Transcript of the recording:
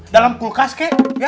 dalam kulkas kek